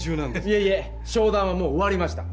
いえいえ商談はもう終わりました。